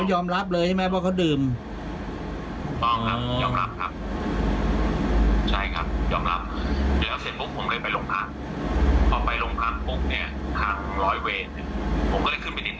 ฟังอันเดียวเอาเรื่องหลอกอะไรอย่างนี้